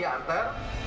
dan di sini